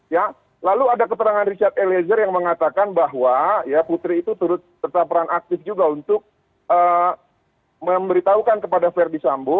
ya lalu ada keterangan richard eliezer yang mengatakan bahwa putri itu turut terperan aktif juga untuk memberitahukan kepada ferdi sambu